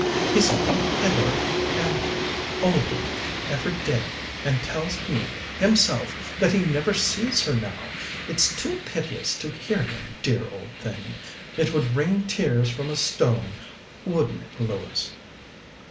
He's looking iller and older every day, and tells me himself that he never sees her now; it's too piteous to hear him, dear old thing. It would wring tears from a stone wouldn't it, Lewis?"